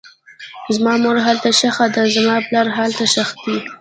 زما مور هلته ښخه ده, زما پلار هلته ښخ دی